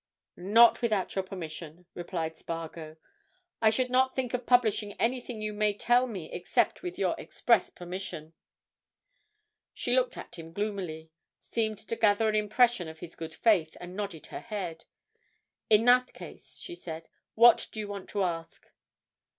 "Not without your permission," replied Spargo. "I should not think of publishing anything you may tell me except with your express permission." She looked at him gloomily, seemed to gather an impression of his good faith, and nodded her head. "In that case," she said, "what do you want to ask?"